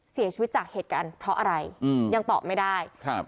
เสียชีวิตจากเหตุการณ์เพราะอะไรอืมยังตอบไม่ได้ครับ